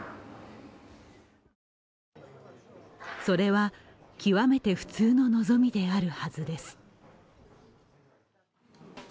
それは極めて普通の望みであるはずです。